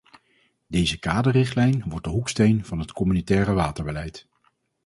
Deze kaderrichtlijn wordt de hoeksteen van het communautaire waterbeleid.